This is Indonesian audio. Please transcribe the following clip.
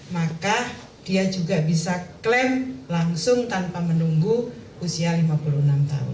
maka dia juga bisa klaim langsung tanpa menunggu usia lima puluh enam tahun